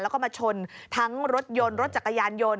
แล้วก็มาชนทั้งรถยนต์รถจักรยานยนต